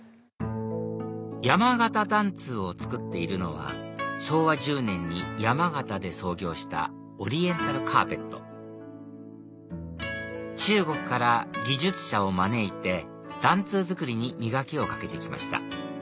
山形緞通を作っているのは昭和１０年に山形で創業したオリエンタルカーペット中国から技術者を招いて緞通作りに磨きをかけて来ました